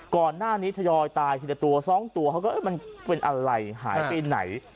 ก่อนหน้านี้ทยอยตายทีละตัว๒ตัวเขาก็เอ๊ะมันเป็นอะไรหายไปไหน